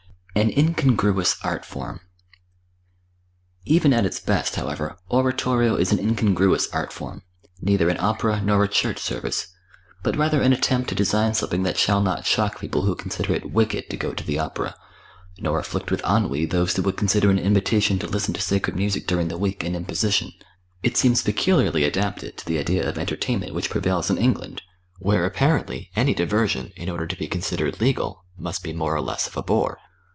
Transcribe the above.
An Incongruous Art Form. Even at its best, however, oratorio is an incongruous art form, neither an opera nor a church service, but rather an attempt to design something that shall not shock people who consider it "wicked" to go to the opera, nor afflict with ennui those who would consider an invitation to listen to sacred music during the week an imposition. It seems peculiarly adapted to the idea of entertainment which prevails in England, where apparently any diversion in order to be considered legal must be more or less of a bore.